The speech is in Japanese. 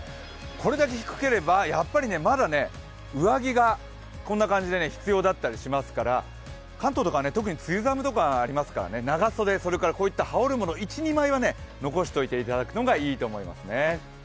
これだけ低ければやっぱりまだ上着が必要だったりしますから関東とかは特に梅雨寒がありますから長袖、羽織るもの１２枚は残しておくのがいいと思います。